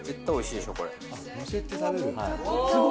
載せて食べる。